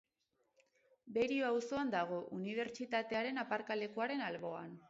Berio auzoan dago, Unibertsitatearen aparkalekuaren alboan.